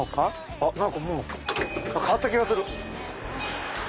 あっ何かもう変わった気がする！